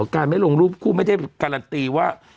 การไม่ลงรูปคู่ไม่ได้การันตีว่า